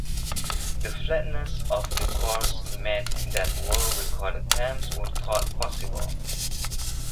The flatness of the course meant that world record attempts were thought possible.